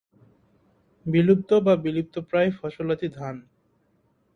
বিলুপ্ত বা বিলুপ্তপ্রায় ফসলাদি ধান।